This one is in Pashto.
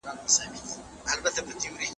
ولي چټلي او ګډوډي رواني فشار زیاتوي؟